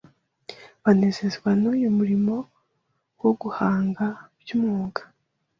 banezezwa n’uyu murimo wo guhanga by’umwuga.